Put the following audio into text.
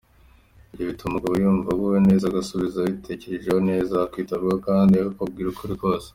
Ibyo bituma umugabo yumva aguwe neza akagusubiza yabitekerejeho neza, akakwitaho kandi akakubwira ukuri kose.